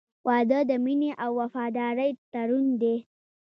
• واده د مینې او وفادارۍ تړون دی.